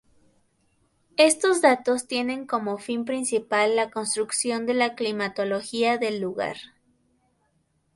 Estos datos tienen como fin principal la construcción de la climatología del lugar.